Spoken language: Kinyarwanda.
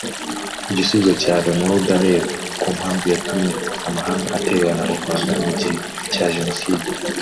Igisubizo cya Romeo Dallaire ku mpamvu yatumye amahanga atererana u Rwanda mu gihe cya Jenoside